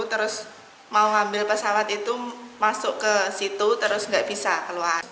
terus mau ambil pesawat itu masuk ke situ terus nggak bisa keluar